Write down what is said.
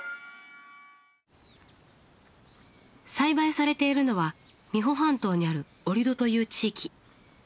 栽培されているのは三保半島にある折戸という地域。